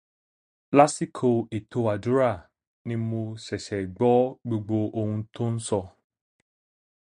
Lásìkò ètò àdúrà ni mo ṣẹ̀ṣẹ̀ gbọ́ gbogbo oun tó ń sọ.